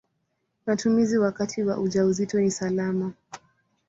Matumizi wakati wa ujauzito ni salama.